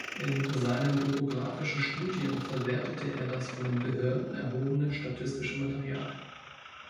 In seinen topographischen Studien verwertete er das von den Behörden erhobene statistische Material.